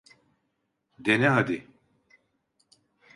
Dene hadi.